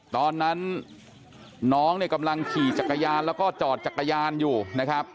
ตอนนั้นน้องเนี่ยกำลังขี่จักรยานแล้วก็จอดจักรยานอยู่นะครับ